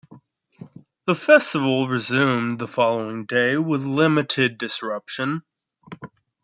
The festival resumed the following day with limited disruption.